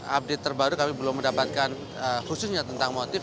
update terbaru kami belum mendapatkan khususnya tentang motif